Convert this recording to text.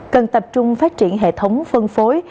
cần tập trung phát triển hệ thống phân phối